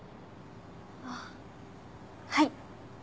あっはい。